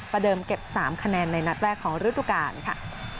ประเดิมเก็บสามคะแนนในนัดแว่ห์ของฤทธิบาลค่ะ